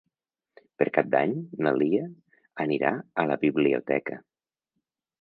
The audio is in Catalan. Per Cap d'Any na Lia anirà a la biblioteca.